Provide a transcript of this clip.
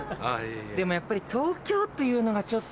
でもやっぱり東京っていうのがちょっと。